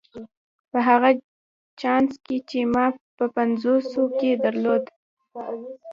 په هغه چانس کې چې ما په پنځوسو کې درلود.